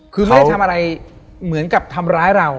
คือไม่ได้ทำอะไรเหมือนกับทำร้ายเรา